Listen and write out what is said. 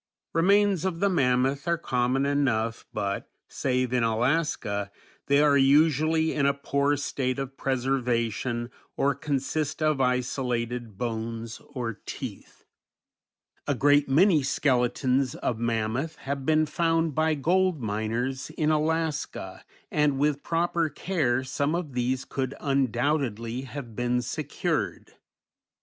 Remains of the mammoth are common enough but, save in Alaska, they are usually in a poor state of preservation or consist of isolated bones or teeth. A great many skeletons of mammoth have been found by gold miners in Alaska, and with proper care some of these could undoubtedly have been secured.